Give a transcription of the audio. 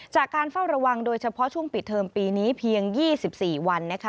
จากการเฝ้าระวังโดยเฉพาะช่วงปิดเทอมปีนี้เพียง๒๔วันนะคะ